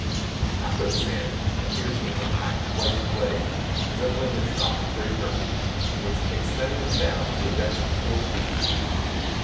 After the sand appeared some compact white clay, resembling the chalk of Great Britain, which extended down to a depth of four feet.